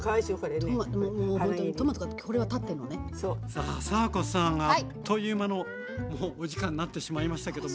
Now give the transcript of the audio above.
さあ佐和子さんあっという間のもうお時間になってしまいましたけども。